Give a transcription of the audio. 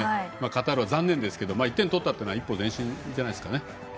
カタールは残念ですけど１点取ったというのは一歩前進じゃないですかね。